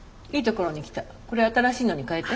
これ新しいのに変えて。